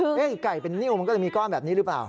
ไก่เป็นนิ้วมันก็เลยมีก้อนแบบนี้หรือเปล่า